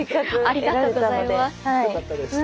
ありがとうございます。